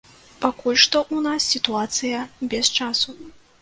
Пакуль што ў нас сітуацыя без часу.